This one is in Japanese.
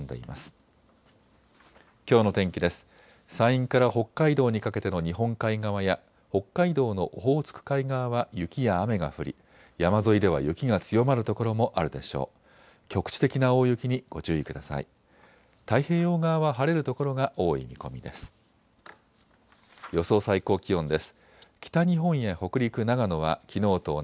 太平洋側は晴れる所が多い見込みです。